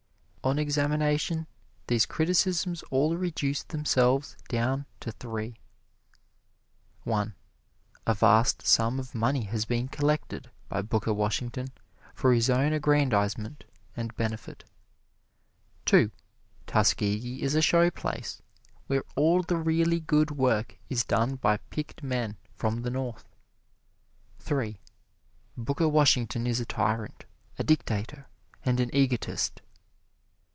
On examination these criticisms all reduce themselves down to three: 1. A vast sum of money has been collected by Booker Washington for his own aggrandizement and benefit. 2. Tuskegee is a show place where all the really good work is done by picked men from the North. 3. Booker Washington is a tyrant, a dictator and an egotist.